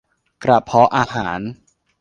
กระเพาะอาหาร